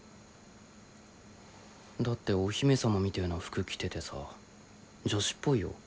だってお姫様みてえな服着ててさ女子っぽいよ。